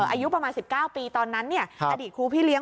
อายุประมาณ๑๙ปีตอนนั้นอดีตครูพี่เลี้ย